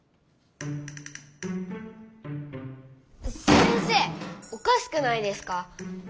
先生おかしくないですか！？